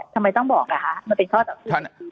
ทำไมต้องบอกล่ะคะมันเป็นข้อตัดสิน